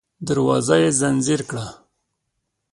دروازه يې ځنځير کړه.